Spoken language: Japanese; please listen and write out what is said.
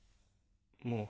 もう。